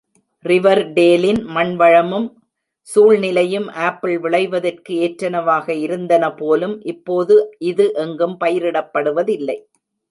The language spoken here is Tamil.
ரிவர் டேலின் மண் வளமும் சூழ்நிலையும் ஆப்பிள் விளைவதற்கு ஏற்றனவாக இருந்தன போலும், இப்போது இது எங்கும் பயிரிடப்படுவதில்லை.